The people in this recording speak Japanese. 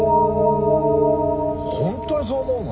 本当にそう思うの？